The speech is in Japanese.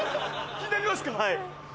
はい。